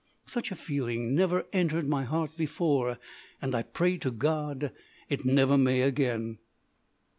Such a feeling never entered my heart before, and I pray to God it never may again.